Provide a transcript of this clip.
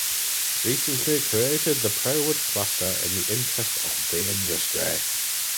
Recently created the ProWood Cluster in the interest of the industry.